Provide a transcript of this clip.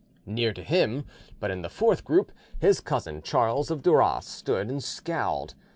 Near to him, but in the fourth group, his cousin Charles of Duras stood and scowled.